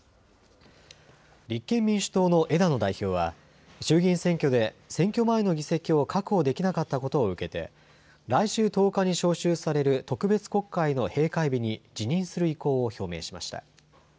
立憲民主党の枝野代表は、衆議院選挙で選挙前の議席を確保できなかったことを受けて、来週１０日に召集される特別国会の閉会日に辞任する意向を表明しました。